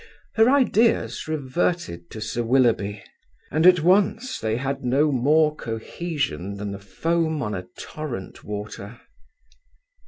Her ideas reverted to Sir Willoughby, and at once they had no more cohesion than the foam on a torrent water.